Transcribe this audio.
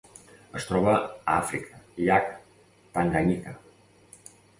Es troba a Àfrica: llac Tanganyika.